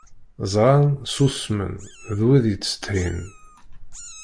Ẓṛan, ssusmen, d wid yettṣeḍḥin.